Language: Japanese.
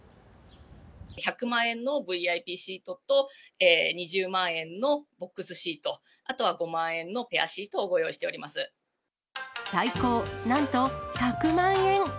１００万円のＶＩＰシートと、２０万円のＢＯＸシート、あとは５万円のペアシートをご用意して最高、なんと１００万円。